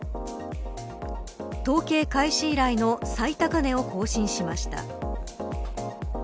統計開始以来の最高値を更新しました。